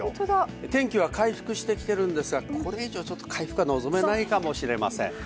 天気は回復してきているんですが、これ以上回復は望めないかもしれません。